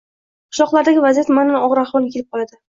qishloqlardagi vaziyat ma’nan og‘ir ahvolga kelib qoladi.